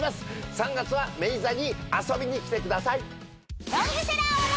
３月は明治座に遊びに来てください。